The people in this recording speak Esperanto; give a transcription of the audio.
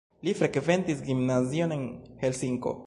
Li frekventis gimnazion en Helsinko.